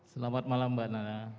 selamat malam mbak nana